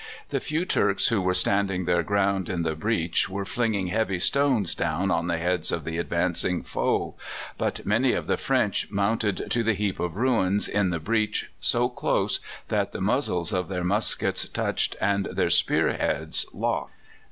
The few Turks who were standing their ground in the breach were flinging heavy stones down on the heads of the advancing foe, but many of the French mounted to the heap of ruins in the breach so close that the muzzles of their muskets touched and their spear heads locked.